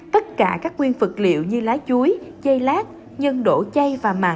tất cả các nguyên vật liệu như lá chuối dây lát nhân đổ chay và mặn